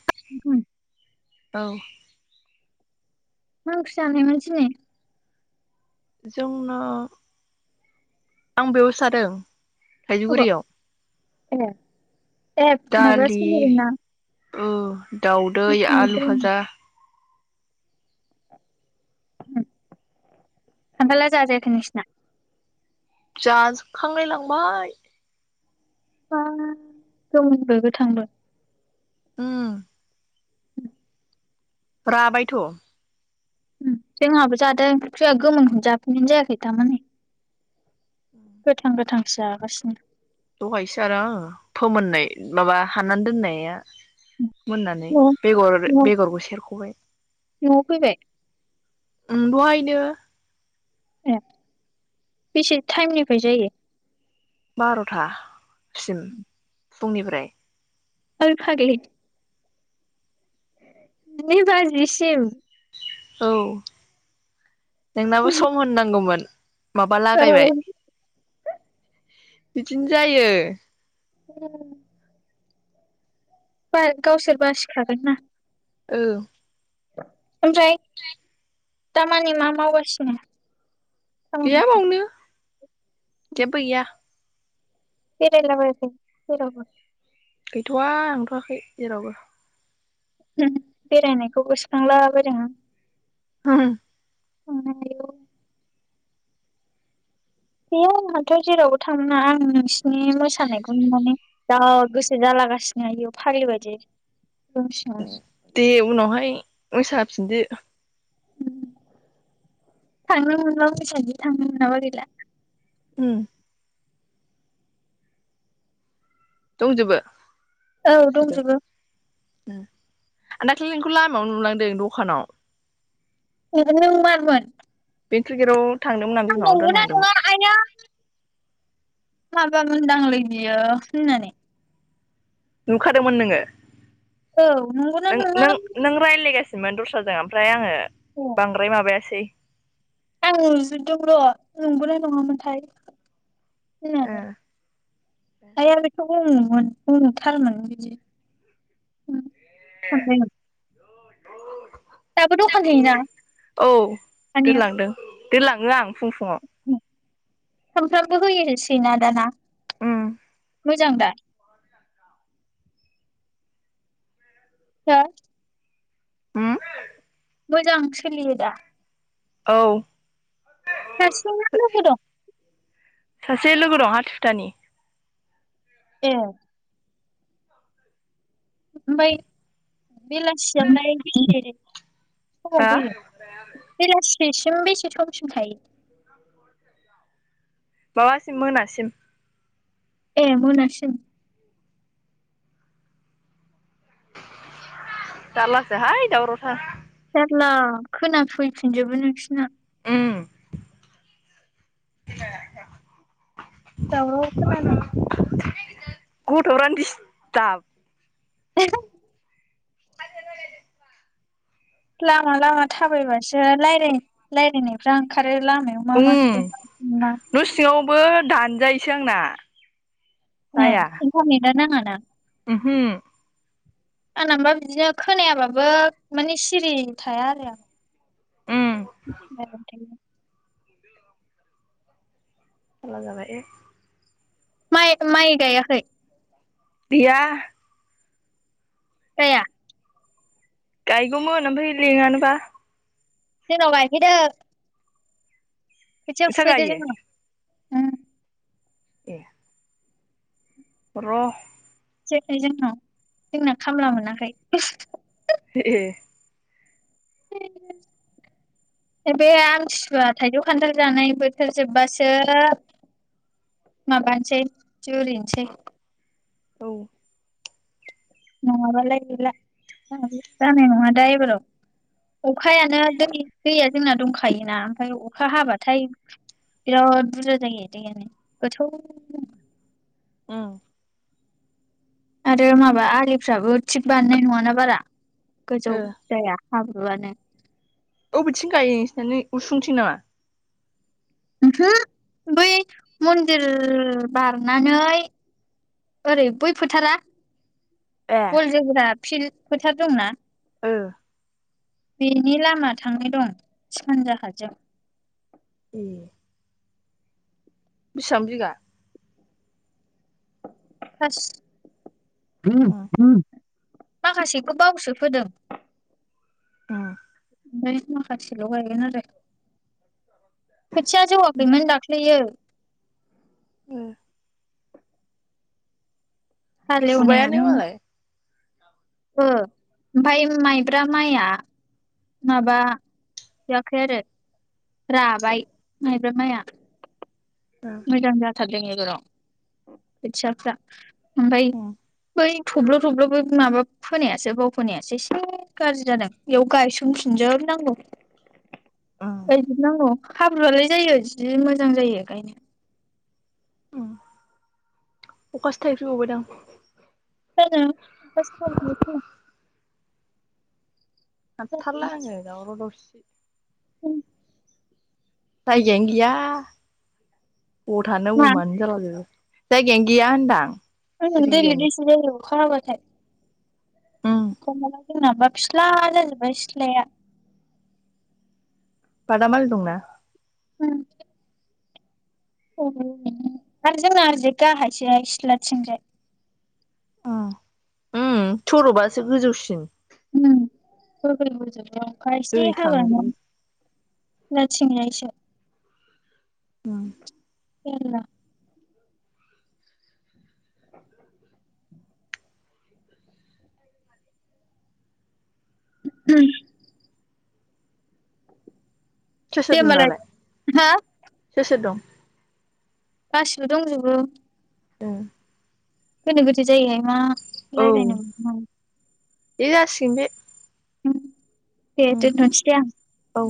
[inaudible] औ। मा ओंख्रि जानायमोन दिनै? जोंन' आं बेयाव सादों [unintelligible] थाइजौगुरियाव ए ए जुनाबा सोलिगोनना। उम। दाउदै आलु फाजा खानथाला जाजायाखै नोंसिना? जाजोबखांलाय लांबाय बा गोमोनबो गोथांबो। उम। राबायथ। जोंहाबो जादों जोंहा गोमोनखौनो जाफेरनाय जायाखै दामानि। गोथां गोथां जागासिनो।। दहायसो आरो आङो फोमोननाय माबा हानानानै दोननाया। मोननानै उम बेगर न' बेगरखौ सेरखबाय। न आव फैबाय। ओम दहायनो। ए बेसे टाइमनिफ्राय जायो। बारथा सिम फुंनिफ्राय ओइ फागलि जिनै बाजिसिम। औ। नोंनाबो सम होननांगौमोन। माबा लागायबाय। औ बिदिनो जायो। लांदां गावसोर बासिखागोन ना। औ ओमफ्राय दामानि मा मावगासिनो। गैया खामानिफ्रा मावनो जेबो गैया। बेरायलायाखै जेरावबो? गैथ'वा लांथ'वाखै जेरावबो। ओम बेरायनायखौ गोसोखांला बायदों आं। बोहोत। ओंहाय आयु बे आंहाथ' जेरावबो थाङा आं नोंसिनि मोसानायखौनो माने जा गोसो जालागासिनो आयाव फाग्लि बायदि। रुम सिङावनो दे उनावहाय मोसाफिनदो। थांनो मोनबा मोसानोसै थांनो मोनाबा गैला। उम। दंजोबो। औ गासिबो दंजोबो। उम आं दाखालि नोंखौ लामायाव नुलांदों दखानाव। ए नों मारमोन? बेन्ट गिर' आं नंगौना नङा आइया। माबा मोनदांलै बियो होननानै नुखादोंमोन नोङो? औ नंगौना नङा? सिमोन दस्राजों ओमफ्राय आङो होनदों। बांद्राय माबायासै आं नुजोबदों र' नंगौ ना नङामोनथाय। ओ होननानै आया बेखौ बुंङोमोन बुंथारमोन बिदि दाबो दखान होयो ना औ आनैया? दोनलांदों दोनलाङो आं। फुं फुङाव सामफ्रामबो होयोसिना दाना? ओम। मोजां दा? हो? होम? मोजां सोलियो दा? औ। हारसिं ना लोगो दं? सासे लोगो दं हाथुथानि। ए। ओमफ्राय बेलासियाव नायनो [unintelligible] हा [unintelligible] बेलासि सिम बेसे समसिम थायो? माबासिम मोनासिम। ए मोना‌सिम। जारलासो हाय दावरावथार। [unintelligible] खोनाफैफिनजोबो नोंसिना। उम। [unintelligible] दावराव खोनादों। गथ'रानो दिसताब [unintelligible] [inaudible] लामा लामा थाबायबासो राय रालायनायफ्रा ओंखार रो लामायाव मा मा नुदों मा मा नुवा बो दानजायोसो आंना। जाया। ओम इन्टारनेटा नाङा [unintelligible] उमहो आंनाबा बिदिनो खोनायाबाबो माने सिरि थाया आरो आं। उम। [unintelligible] जाला जाबाय। माइ माइ गायाखै? गैया। गाया। गायगौमोन ओमफ्राय लिङानोबा। जोंनाव गायफैदो। खोथिया नोंस्रा फुफैदो गायो जोंनाव। उम। ए। र। जेरखाय जोंनाव जोंना खामला मोनाखै। एहे। [unintelligible] औ। नङाबालाय गैला नाङाखो जानाय नङा दा एबाराव अखायानो दै दैया जोंना दंखायोना ओमफ्राय अखा हाबाथाय बिराद बुरजा जायो दैयानो गोथौव। ओं। आरो माबा आलिफ्राबो थिब बानायनाय नङाना बारा। गोजौ ओ जाया। हाब्रु आनो। अबेथिं गायो सिनानै उसुंसै थिं नामा? उमहु बै मन्दिर बारनानै ओरै बै फोथारा। ए फल जोगोनार। फिल फोथार दंना? ओयो। बिनि लामा थांनाय दं सानजाहाजों ए। बिसिबां बिगा? [unintelligible] बास। उम [unintelligible] माखासेखौ बावसो फोदों। उम। ओमफ्राय माखासेल गायगोन आरो खोथिया जौयाखैमोन दाख्लैयो। ए। फुबायानो हालौवनायामोन मालाय ओ ओमफ्राय माइब्रा माइया माबा जाखेरो राबाय माइब्रा माइया उम मोजां जाद थाखें एगराव उम खोथियाफ्रा ओफाय उम बोयै थब्ल थब्ल बो माबा फोनायासो बाव फोनायासो एसे गाज्रि जादों बेयाव गायसनफिनजोबनांगौ उम गायजोब नांगौ हाब्रुआलाय जायो जि मोजां जायो गायनो उम अखासो थायफ्रि बावबायदां [unintelligible] हाथारला आं ओ दावराव दावसि [inaudible] [unintelligible] जायगायानो गोया अ थानो मा उमानि जाल जायगायानो गैया होनदां द सिरियानो दस द [unintelligible] खर गथाय‌। उम खाबा जोंनाबा फस्ला जाजोब्बाय सिथ्लाया। बादामल दंंना उम अ आरोरजारज हाय इसलथिग ओ सरबासो गोजौसिन उम [unintelligible] अखा एसे दै हाब नो थांजोबो [unintelligible] उम [unintelligible] [unintelligible] सोर दे सोर दं होमबालाय दालाय हा सोर सोर दं? गासिबो दंजोबो। औ। गोनो गोथो जायोहाय मा। लायरायनो मा ए सि बेे उम दे दोन्थ'सै दे आं। औ